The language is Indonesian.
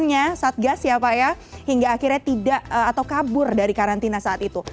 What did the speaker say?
misalnya satgas ya pak ya hingga akhirnya tidak atau kabur dari karantina saat itu